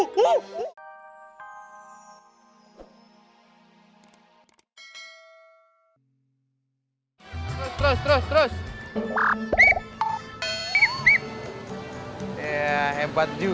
kok di sini gue